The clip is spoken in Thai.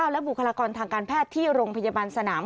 และบุคลากรทางการแพทย์ที่โรงพยาบาลสนาม